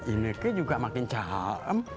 ineke juga makin cawam